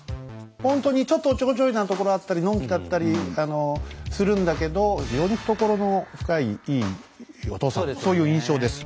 ほんとにちょっとおっちょこちょいなところあったりのんきだったりするんだけど非常に懐の深いいいお父さんそういう印象です。